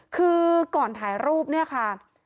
คือก่อนถ่ายรูปเนี่ยค่ะ